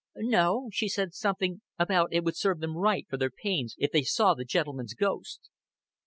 "No, she said something about it would serve them right for their pains if they saw the gentleman's ghost."